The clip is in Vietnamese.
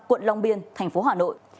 quận long biên thành phố hà nội